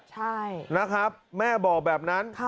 ใช่นะครับแม่บอกแบบนั้น